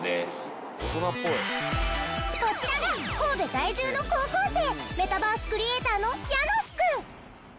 こちらが神戸在住の高校生メタバースクリエイターのヤノスくん。